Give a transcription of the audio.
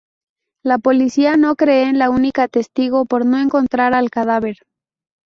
La policía no cree en la única testigo por no encontrar al cadáver.